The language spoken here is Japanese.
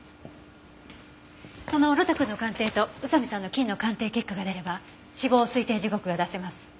その呂太くんの鑑定と宇佐見さんの菌の鑑定結果が出れば死亡推定時刻が出せます。